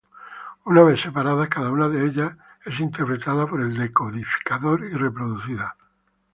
Una vez separadas, cada una de ellas es interpretada por el decodificador y reproducida.